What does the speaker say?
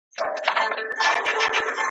چي امیر خلک له ځانه وه شړلي